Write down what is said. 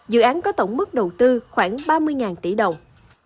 dự án có tổng mức đầu tư khoảng ba mươi tỷ đồng